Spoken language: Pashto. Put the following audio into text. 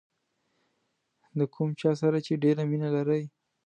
د کوم چا سره چې ډېره مینه لرئ.